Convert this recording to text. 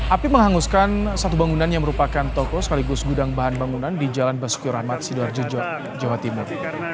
api menghanguskan satu bangunan yang merupakan toko sekaligus gudang bahan bangunan di jalan basuki rahmat sidoarjo jawa timur